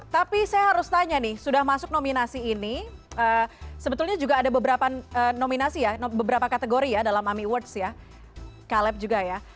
tapi saya harus tanya nih sudah masuk nominasi ini sebetulnya juga ada beberapa nominasi ya beberapa kategori ya dalam ami awards ya caleb juga ya